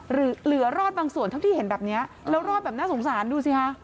เหลือรอดบางส่วนเท่าที่เห็นแบบนี้แล้วรอดแบบน่าสงสารดูสิคะ